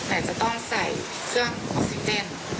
แต่จะต้องใส่เครื่องออกซิเจน